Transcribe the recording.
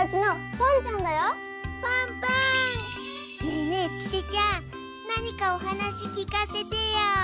ねえねえちせちゃん何かおはなし聞かせてよ。